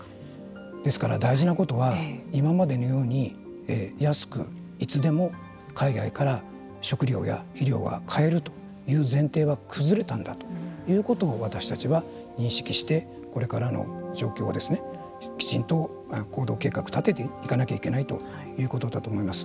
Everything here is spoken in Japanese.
ですから、大事なことは今までのように安く、いつでも海外から食料や肥料が買えるという前提は崩れたんだということを私たちは認識してこれからの状況をきちんと行動計画を立てていかないといけないということだと思います。